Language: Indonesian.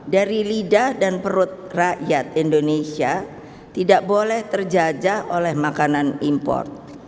dari lidah dan perut rakyat indonesia tidak boleh terjajah oleh makanan impor